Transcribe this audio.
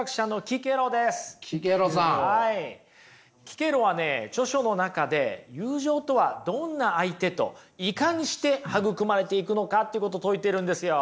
キケロはね著書の中で友情とはどんな相手といかにして育まれていくのかということ説いてるんですよ。